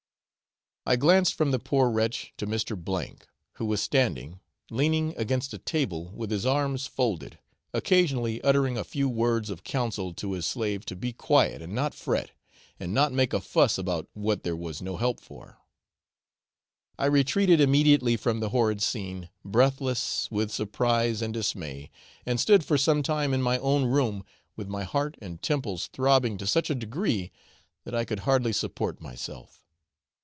I glanced from the poor wretch to Mr. , who was standing, leaning against a table with his arms folded, occasionally uttering a few words of counsel to his slave to be quiet and not fret, and not make a fuss about what there was no help for. I retreated immediately from the horrid scene, breathless with surprise and dismay, and stood for some time in my own room, with my heart and temples throbbing to such a degree that I could hardly support myself.